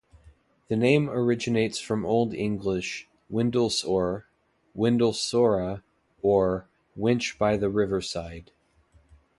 The name originates from old English "Windles-ore", "Windlesora", or "winch by the riverside".